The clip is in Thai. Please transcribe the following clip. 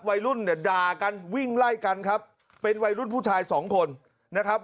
วัยรุ่นเนี่ยด่ากันวิ่งไล่กันครับเป็นวัยรุ่นผู้ชายสองคนนะครับ